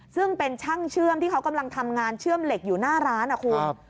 ซึ่งเป็นช่างเชื่อมที่เขากำลังทำงานเชื่อมเหล็กอยู่หน้าร้านนะคุณ